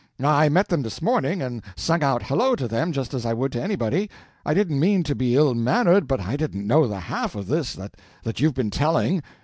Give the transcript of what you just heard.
I met them this morning, and sung out hello to them just as I would to anybody. I didn't mean to be ill mannered, but I didn't know the half of this that you've been telling.